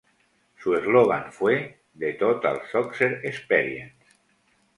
Su eslogan fue: ""The total soccer experience.